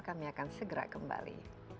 kami akan segera kembali